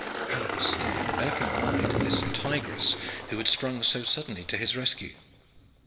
Alleyne stared open eyed at this tigress who had sprung so suddenly to his rescue.